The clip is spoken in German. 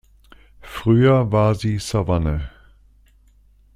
Früher war sie Savanne.